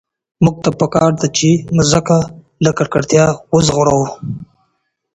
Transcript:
موږ ته په کار ده چي مځکه له ککړتیا وژغورو.